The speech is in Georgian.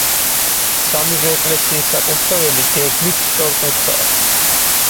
სამივე ეკლესიის საკურთხეველი გეგმით სწორკუთხაა.